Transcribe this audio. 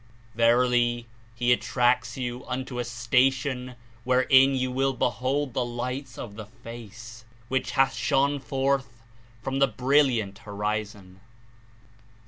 Verily, He attracts you unto a station wherein you will behold the Lights of the Face, which hath shone forth from this brilliant Horizon."